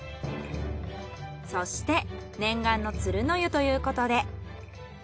そして念願の鶴の湯ということで。